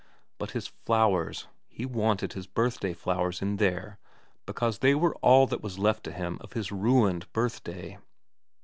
But his flowers, he wanted his birthday flowers in there because they were all that were left to him of his ruined birthday.